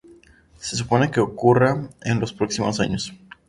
Se supone que ocurra en los próximos años.